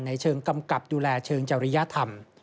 เชิงกำกับดูแลเชิงจริยธรรม